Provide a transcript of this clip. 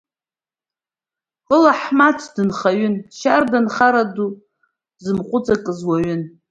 Ҟәыл Аҳмаҭ дынхаҩын, шьарда анхара ду зымҟуҵакыз уаҩын.